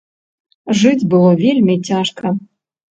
Жыць было вельмі цяжка.